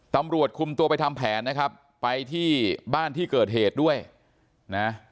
ตำรวจคุมตัวไปทำแผนนะครับไปที่บ้านที่เกิดเหตุด้วยนะ